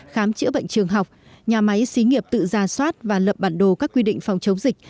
khám chữa bệnh trường học nhà máy xí nghiệp tự ra soát và lập bản đồ các quy định phòng chống dịch